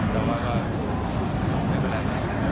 ใช่ครับ